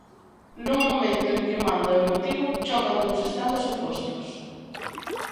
Nun momento en que manda o emotivo, chocan dous estados opostos.